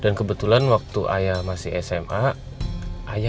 dan kebetulan waktu ayah masih sma nya ayah masih belajar di sma nya